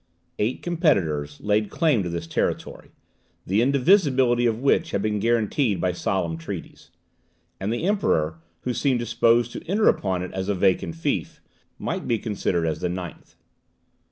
Eight competitors laid claim to this territory, the indivisibility of which had been guaranteed by solemn treaties; and the Emperor, who seemed disposed to enter upon it as a vacant fief, might be considered as the ninth.